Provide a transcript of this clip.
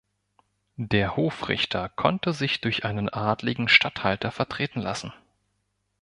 Der Hofrichter konnte sich durch einen adligen Statthalter vertreten lassen.